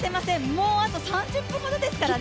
もうあと３０分ほどですからね。